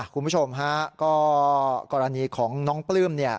คุณผู้ชมฮะก็กรณีของน้องปลื้ม